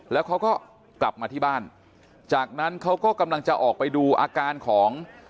แล้วเขาก็กลับมาที่บ้านจากนั้นเขาก็กำลังจะออกไปดูอาการของ